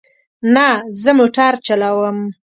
نه، زه موټر چلوم